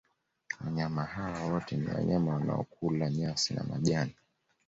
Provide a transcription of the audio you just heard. wanyama hawa wote ni wanyama wanaokula nyasi na majani